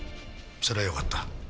それはよかった。